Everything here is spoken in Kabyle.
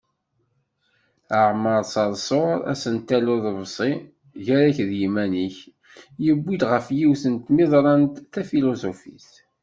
Aɛmaṛ Seṛṣuṛ: Asentel n uḍebsi "Gar-ak d yiman-ik", yewwi-d ɣef yiwet n tmiḍrant tafiluzufit.